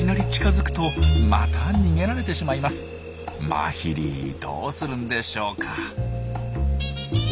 マヒリどうするんでしょうか？